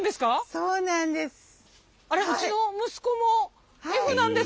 そうなんです。